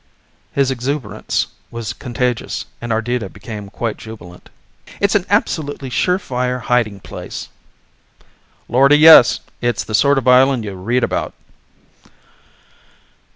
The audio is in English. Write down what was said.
His exuberance was contagious, and Ardita became quite jubilant. "It's an absolutely sure fire hiding place!" "Lordy, yes! It's the sort of island you read about."